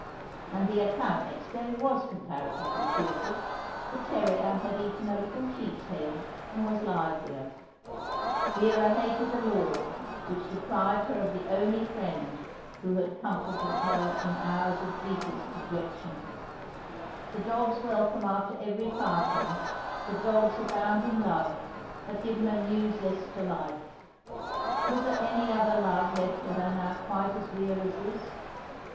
And the account next day was comparatively cheerful; the terrier had eaten a little sheep's head and was livelier. Vera hated the law which deprived her of the only friend who had comforted her in hours of deepest dejection. The dog's welcome after every parting, the dog's abounding love, had given a new zest to life. Was there any other love left her now quite as real as this?